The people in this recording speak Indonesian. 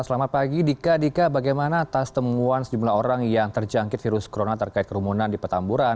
selamat pagi dika dika bagaimana atas temuan sejumlah orang yang terjangkit virus corona terkait kerumunan di petamburan